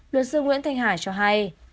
luật sư nguyễn thanh hà cho hay